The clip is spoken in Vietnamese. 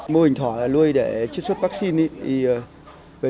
mô hình thỏ là nuôi để chất xuất vaccine